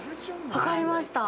分かりました。